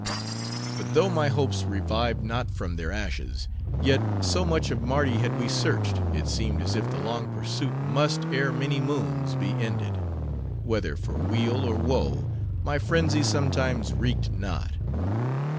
But though my hopes revived not from their ashes; yet, so much of Mardi had we searched, it seemed as if the long pursuit must, ere many moons, be ended; whether for weal or woe, my frenzy sometimes reeked not.